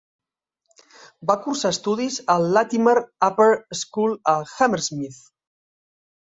Va cursar estudis a Latymer Upper School a Hammersmith.